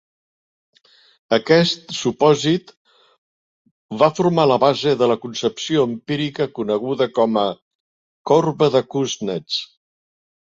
Aquest supòsit va formar la base de la concepció empírica coneguda com a "corba de Kuznets".